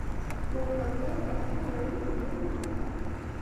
هو همدا، دا چا ویلي؟ نه یم خبر.